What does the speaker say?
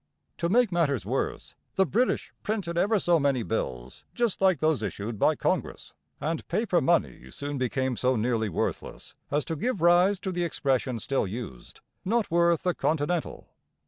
To make matters worse, the British printed ever so many bills just like those issued by Congress, and paper money soon became so nearly worthless as to give rise to the expression still used, "Not worth a continental."